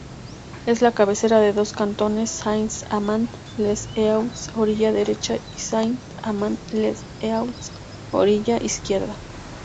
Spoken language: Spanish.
Es la cabecera de dos cantones: Saint-Amand-les-Eaux Orilla Derecha y Saint-Amand-les-Eaux Orilla Izquierda.